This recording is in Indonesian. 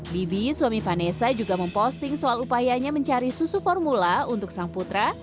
bibi suami vanessa juga memposting soal upayanya mencari susu formula untuk sang putra